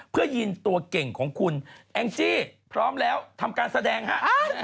เพื่อยินตัวเก่งของคุณแองจี้พร้อมแล้วทำการแสดงฮะ